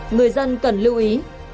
người dân cần lưu ý